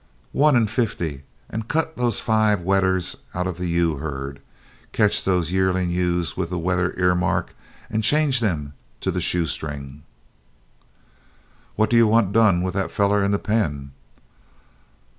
"One in fifty; and cut those five wethers out of the ewe herd. Catch those yearling ewes with the wether earmark and change to the shoe string." "What do you want done with that feller in the pen?"